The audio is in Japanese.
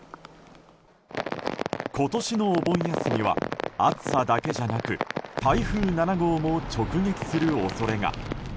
今年のお盆休みは暑さだけじゃなく台風７号も直撃する恐れが。